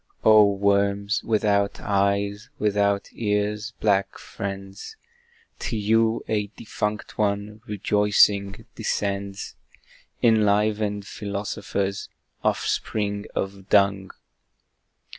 Oh worms, without eyes, without ears, black friends! To you a defunct one, rejoicing, descends, Enlivened Philosophers offspring of Dung!